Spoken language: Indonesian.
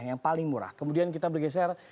yang paling murah kemudian kita bergeser